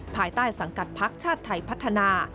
ภายใต้สังกัดพักชาติไทยพัฒนา